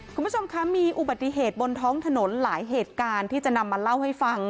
คุณผู้ชมคะมีอุบัติเหตุบนท้องถนนหลายเหตุการณ์ที่จะนำมาเล่าให้ฟัง